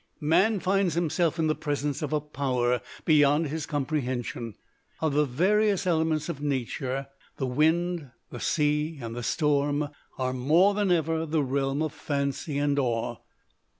Man finds himself in the presence of a power beyond his comprehension. Of the various elements of nature, the wind, the sea and the storm are more than ever the realm of fancy and awe.